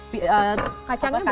kacangnya berapa banyak